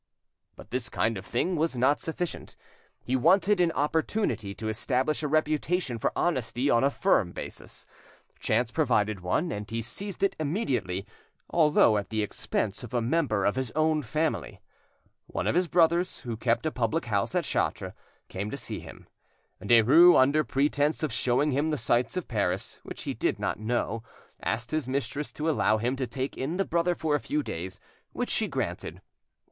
But this kind of thing was not sufficient. He wanted an opportunity to establish a reputation for honesty on a firm basis. Chance provided one, and he seized it immediately, although at the expense of a member of his own family. One of his brothers, who kept a public house at Chartres, came to see him. Derues, under pretence of showing him the sights of Paris, which he did not know, asked his mistress to allow him to take in the brother for a few days, which she granted.